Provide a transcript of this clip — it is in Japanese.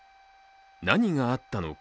何があったのか。